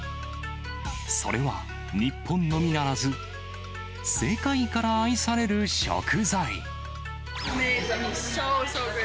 それは、日本のみならず、世界から愛される食材。